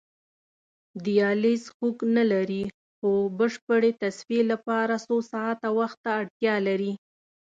دیالیز خوږ نه لري خو بشپړې تصفیې لپاره څو ساعته وخت ته اړتیا لري.